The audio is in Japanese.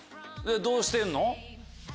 どうしてんの？